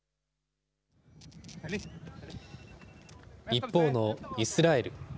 一方のイスラエル。